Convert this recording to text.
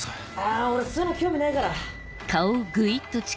あぁ俺そういうの興味ないから。